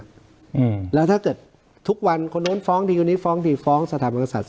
อืมแล้วถ้าเกิดทุกวันคนนู้นฟ้องดีคนนี้ฟ้องทีฟ้องสถาบันกษัตริย